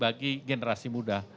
bagi generasi muda